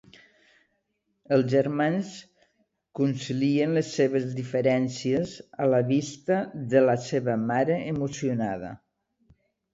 Els germans concilien les seves diferències a la vista de la seva mare emocionada.